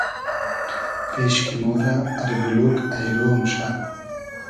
پېش کی مۉرۂ اربولوگ اݷرۉ موشۂ